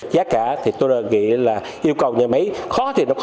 giá cả thì tôi nghĩ là yêu cầu nhà máy khó